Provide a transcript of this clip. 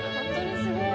すごーい！